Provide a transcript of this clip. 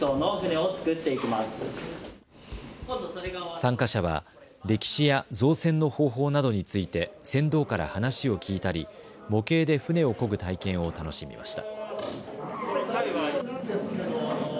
参加者は歴史や造船の方法などについて船頭から話を聞いたり模型で舟をこぐ体験を楽しみました。